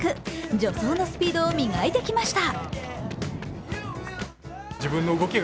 助走のスピードを磨いてきました。